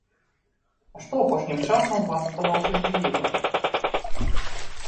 А што апошнім часам вас станоўча здзівіла?